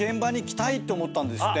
て思ったんですって。